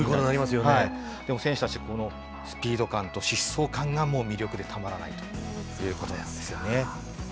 でも選手たち、このスピード感と疾走感が、もう魅力でたまらないということですよね。